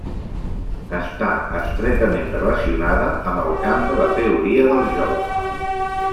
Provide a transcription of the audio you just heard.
Està estretament relacionada amb el camp de la teoria dels jocs.